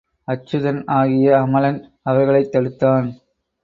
அச்சுதன் ஆகிய அமலன் அவர்களைத் தடுத்தான்.